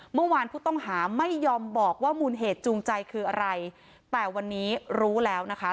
เมื่อวานผู้ต้องหาไม่ยอมบอกว่ามูลเหตุจูงใจคืออะไรแต่วันนี้รู้แล้วนะคะ